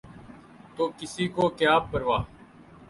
تو کسی کو کیا پروا؟